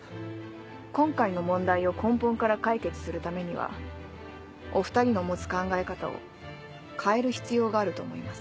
今回の問題を根本から解決するためにはお２人の持つ考え方を変える必要があると思います。